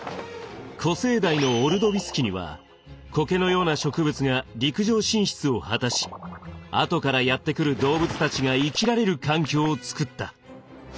古生代のオルドビス紀にはコケのような植物が陸上進出を果たし後からやって来る動物たちが生きられる環境を作った。